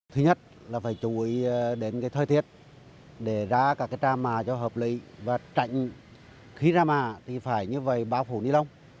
thứ nhất là phải chú ý đến cái thời tiết để ra các cái trang mà cho hợp lý và trạnh khí ra mà thì phải như vậy bao phủ nilon